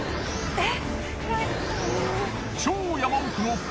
えっ！？